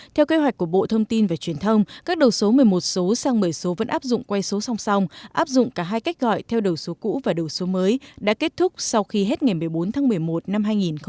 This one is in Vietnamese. theo kế hoạch của bộ thông tin và truyền thông các đầu số một mươi một số sang một mươi số vẫn áp dụng quay số song song áp dụng cả hai cách gọi theo đầu số cũ và đầu số mới đã kết thúc sau khi hết ngày một mươi bốn tháng một mươi một năm hai nghìn một mươi chín